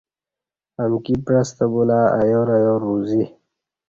امکی پعستہ بولہ ایارایار روزی